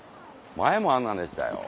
前もあんなんでしたよ。